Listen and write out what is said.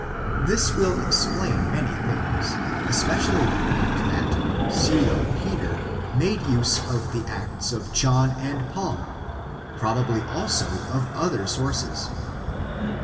This will explain many things, especially the fact that Pseudo Peter made use of the Acts of John and Paul, probably also of other sources.